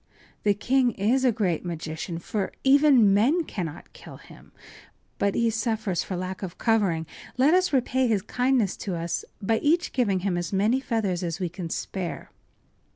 The king is a great magician, for even men cannot kill him. But he suffers for lack of covering. Let us repay his kindness to us by each giving him as many feathers as we can spare.